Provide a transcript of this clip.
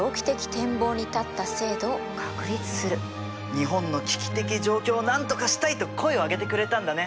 日本の危機的状況をなんとかしたい！と声を上げてくれたんだね。